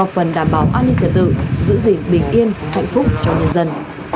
trả tự giữ gìn bình yên hạnh phúc cho nhân dân